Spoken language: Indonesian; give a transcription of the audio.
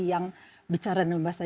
yang bicara dalam bahasa